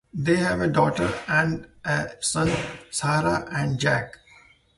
They have a daughter and a son, Sarah and Jack.